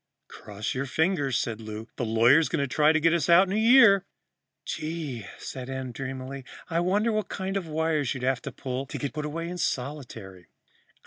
"Cross your fingers," said Lou. "The lawyer's going to try to get us a year." "Gee!" Em said dreamily. "I wonder what kind of wires you'd have to pull to get put away in solitary?"